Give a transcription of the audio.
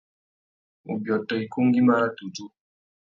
Ubiôtô ikú ngüimá râ tudju.